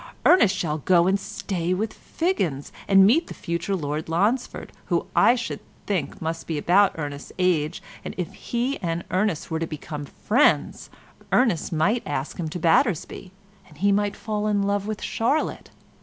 Ernest shall go and stay with Figgins and meet the future Lord Lonsford, who I should think must be about Ernest's age, and then if he and Ernest were to become friends Ernest might ask him to Battersby, and he might fall in love with Charlotte.